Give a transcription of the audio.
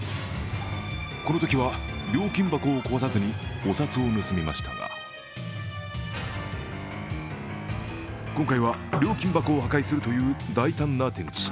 このときは、料金箱を壊さずにお札を盗みましたが今回は料金箱を破壊するという大胆な手口。